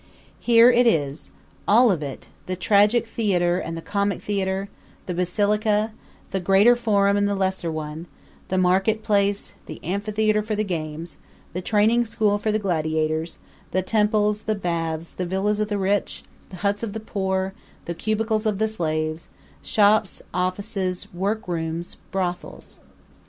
Here it is all of it; the tragic theater and the comic theater; the basilica; the greater forum and the lesser one; the market place; the amphitheater for the games; the training school for the gladiators; the temples; the baths; the villas of the rich; the huts of the poor; the cubicles of the slaves; shops; offices; workrooms; brothels.